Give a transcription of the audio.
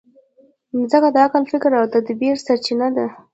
مځکه د عقل، فکر او تدبر سرچینه ده.